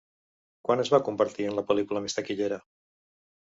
Quan es va convertir en la pel·lícula més taquillera?